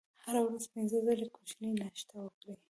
هره ورځ پنځه ځلې کوچنۍ ناشته وکړئ.